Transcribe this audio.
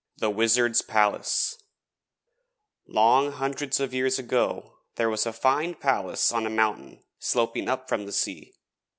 THE WIZARD'S PALACE Long hundreds of years ago there was a fine palace on a mountain sloping up from the sea.